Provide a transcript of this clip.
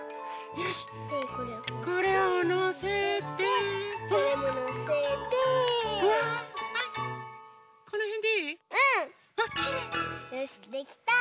よしできた！